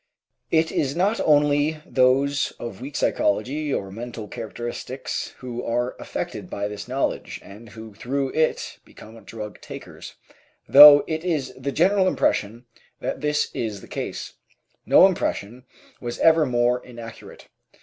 It is not only those of weak psychology or mental characteristics who are affected by this knowledge and who through it become drug takers, though it is the general impression that this is the case. No impression was ever more inaccurate.